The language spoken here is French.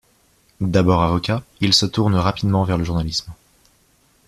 D'abord avocat, il se tourne rapidement vers le journalisme.